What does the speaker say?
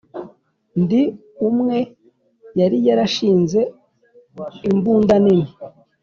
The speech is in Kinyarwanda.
Ndi umwe yari yarashinze imbunda nini